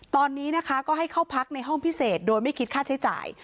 ตอนนี้นะคะก็ให้เข้าพักในห้องพิเศษโดยไม่คิดค่าใช้จ่าย